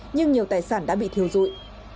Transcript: nhưng nhiều tài sản đã bị thiêu dụi